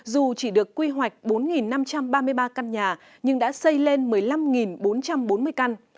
dù chỉ được quy hoạch bốn năm trăm ba mươi ba căn nhà nhưng đã xây lên một mươi năm bốn trăm bốn mươi căn